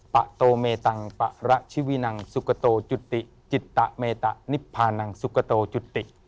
ปะโตเมตังปะระชิวินังสุกโตจุติจิตตะเมตะนิพพานังสุกโตจุติ